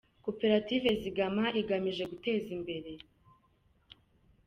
Koperative Zigama igamije guteza imbere.